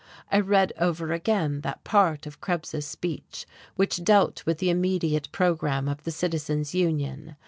I read over again that part of Krebs's speech which dealt with the immediate programme of the Citizens Union.